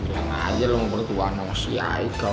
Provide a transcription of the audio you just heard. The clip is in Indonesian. bila aja lo mau bertuah sama si haikal